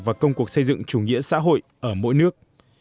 và công cuộc xây dựng chủ nghĩa xã hội ở mỗi nước